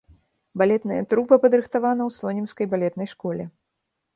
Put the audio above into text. Балетная трупа падрыхтавана ў слонімскай балетнай школе.